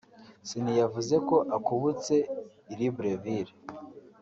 Ciney yavuze ko akubutse i Libreville